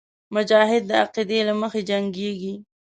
مجاهد د عقیدې له مخې جنګېږي.